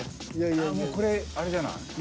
もうこれあれじゃない？